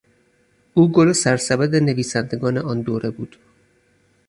او گل سرسبد نویسندگان آن دوره بود.